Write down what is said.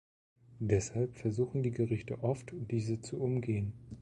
Deshalb versuchen die Gerichte oft, diese zu umgehen.